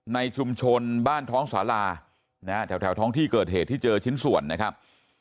ในชุมชนบ้านท้องศาลานะฮะแถวท้องที่เกิดเหตุที่เจอชิ้นส่วนนะครับ